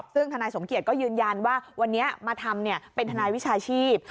ซึ่งทนายสมเกียจก็ยืนยันว่าวันนี้มาทำเป็นทนายวิชาชีพ